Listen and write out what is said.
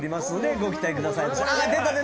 ご期待ください。